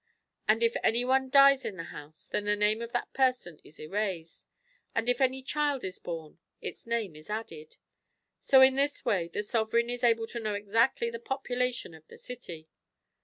And if any one dies in the house then the name of that person is erased, and if any child is born its name is added. So in this way the sovereign is able to know exactly the population of the citv.